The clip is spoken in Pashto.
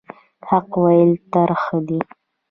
حق ویل ترخه دي